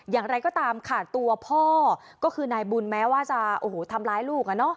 อย่างไรก็ตามค่ะตัวพ่อก็คือนายบุญแม้ว่าจะโอ้โหทำร้ายลูก